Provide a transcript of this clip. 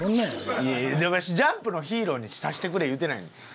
わし『ジャンプ』のヒーローにさせてくれ言うてないんよ。